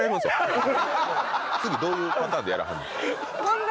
次どういうパターンでやるか。